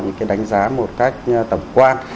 và những cái đánh giá một cách tổng quan